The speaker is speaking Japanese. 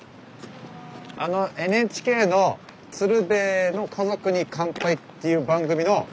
あのＮＨＫの「鶴瓶の家族に乾杯」っていう番組の。